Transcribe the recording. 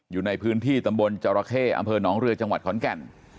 อยู่ในพื้นที่ตำบลจรเข้อำเภอหนองเรือจังหวัดขอนแก่น